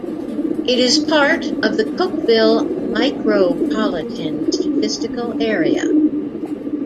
It is part of the Cookeville Micropolitan Statistical Area.